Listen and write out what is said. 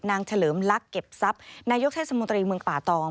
นางเฉลิมลักษณ์เก็บทรัพย์นายกช่วยสมมตรีเมืองป่าตอง